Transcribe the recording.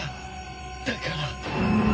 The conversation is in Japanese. だから。